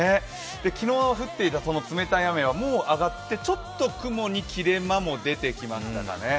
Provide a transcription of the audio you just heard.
昨日降っていた冷たい雨はもうあがってちょっと雲に切れ間も出てきましたかね。